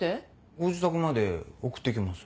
ご自宅まで送っていきます。